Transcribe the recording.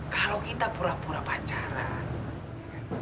kalau kita pura pura pacaran